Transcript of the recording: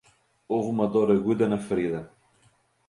Houve uma dor aguda na ferida